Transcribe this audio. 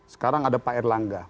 sekarang ada pak erlangga